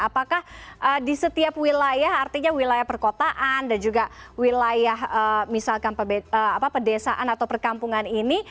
apakah di setiap wilayah artinya wilayah perkotaan dan juga wilayah misalkan pedesaan atau perkampungan ini